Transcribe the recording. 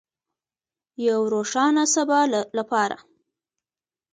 د یو روښانه سبا لپاره.